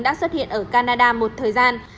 đã xuất hiện ở canada một thời gian